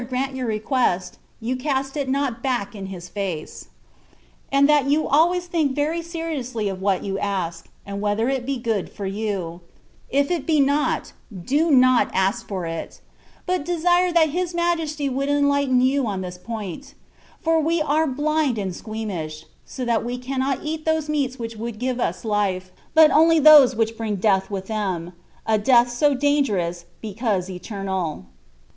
grant your request^ yon cast it not back in His face ; and that you always think very seriously of what you ask, and whether it be good for you; if it be not, do not ask for it; but desire that His Majesty would enlighten you on this point ; for we are blind and squeamish, so that we cannot eat those meats which would give us life, but only those which bring death with them, a death so dangerous, because eternal.